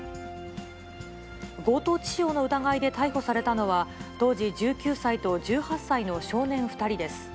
強盗致傷の疑いで逮捕されたのは、当時１９歳と１８歳の少年２人です。